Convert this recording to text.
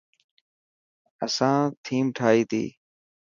اسان ٿيم ٺائي تي.